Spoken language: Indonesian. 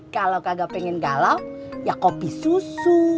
kalau kagak pengen galau ya kopi susu